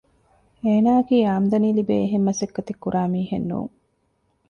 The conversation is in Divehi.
އޭނާއަކީ އާމްދަނީ ލިބޭނެ އެހެން މަސައްކަތެއް ކުރާ މީހެއް ނޫން